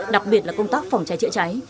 đặc biệt là công tác phòng cháy chữa cháy